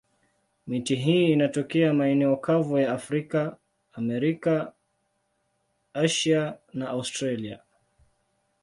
Miti hii inatokea maeneo kavu ya Afrika, Amerika, Asia na Australia.